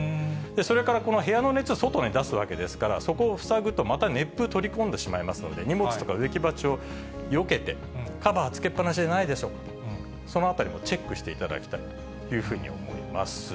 それから、この部屋の熱を外に出すわけですから、そこを塞ぐと、また熱風、取り込んでしまいますので、荷物とか植木鉢をよけて、カバーつけっぱなしじゃないでしょうか、そのあたりもチェックしていただきたいというふうに思います。